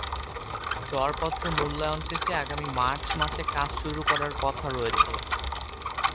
দরপত্র মূল্যায়ন শেষে আগামী মার্চ মাসে কাজ শুরু করার কথা রয়েছে।